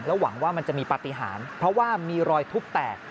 หวังว่ามันจะมีปฏิหารเพราะว่ามีรอยทุบแตก